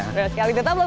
sekali tetap bersama kami